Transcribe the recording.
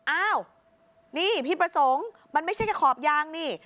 อ้าวนี่พี่ประสงค์มันไม่ใช่แค่ขอบยางนี่